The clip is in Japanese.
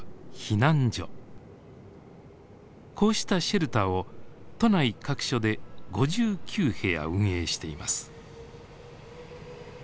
こうしたシェルターを都内各所で５９部屋運営しています。